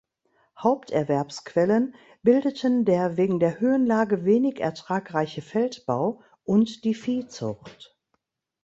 Haupterwerbsquellen bildeten der wegen der Höhenlage wenig ertragreiche Feldbau und die Viehzucht.